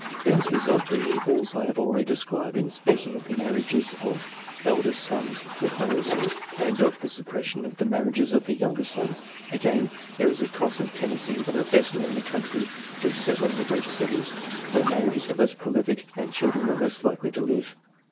Thence result the evils I have already described, in speaking of the marriages of eldest sons with heiresses and of the suppression of the marriages of the younger sons. Again, there is a constant tendency of the best men in the country to settle in the great cities, where marriages are less prolific and children are less likely to live.